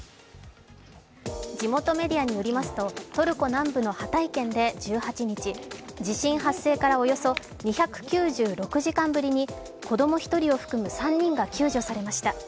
地元メディアによりますとトルコ南部のハタイ県で１８日地震発生からおよそ２９６時間ぶりに子供１人を含む３人が救助されました。